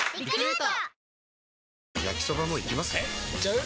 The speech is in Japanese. えいっちゃう？